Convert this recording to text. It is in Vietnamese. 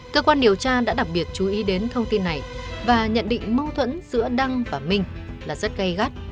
cơ quan điều tra đã đặc biệt chú ý đến thông tin này và nhận định mâu thuẫn giữa đăng và minh là rất gây gắt